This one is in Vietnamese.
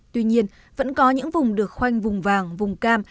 tuy nhiên vẫn có những vùng được khoanh vùng vàng vùng cam